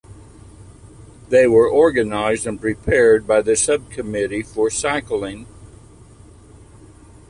They were organized and prepared by the Sub-Committee for Cycling.